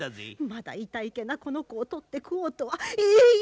まだいたいけなこの子を取って食おうとはえい